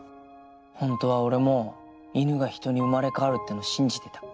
ホントは俺も犬が人に生まれ変わるっての信じてた。